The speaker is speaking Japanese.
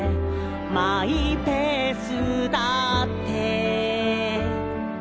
「マイペースだって」